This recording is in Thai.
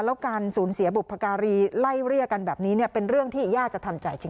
แล้วการสูญเสียบุพการีไล่เรียกกันแบบนี้เป็นเรื่องที่ย่าจะทำใจจริง